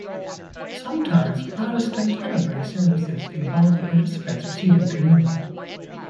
Sometimes Protestant Tenebrae services involve the participants receiving Communion.